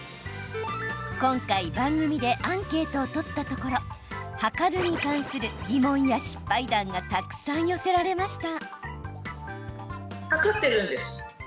今回、番組でアンケートを取ったところはかるに関する疑問や失敗談がたくさん寄せられました。